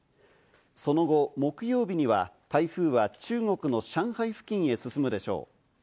その後、木曜日には台風は中国の上海付近へ進むでしょう。